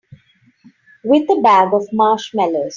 With a bag of marshmallows.